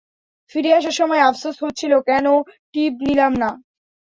ফিরে আসার সময় আফসোস হচ্ছিল কেন টিপ নিলাম না।